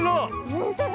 ほんとだ。